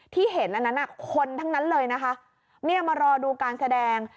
ที่เห็นอันนั้นคนทั้งนั้นเลยนะคะเนี่ยมารอดูการแสดง